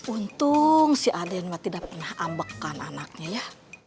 untung si alen mah tidak pernah ambekan anaknya ya